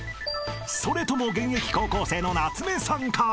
［それとも現役高校生の夏目さんか？］